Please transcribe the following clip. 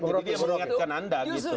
jadi dia mengingatkan anda gitu